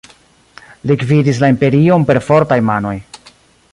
Li gvidis la imperion per fortaj manoj.